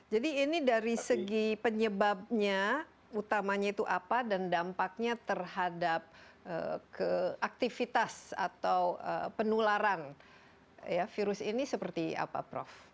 jadi ini dari segi penyebabnya utamanya itu apa dan dampaknya terhadap keaktifitas atau penularan virus ini seperti apa prof